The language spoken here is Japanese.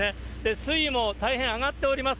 水位も大変上がっております。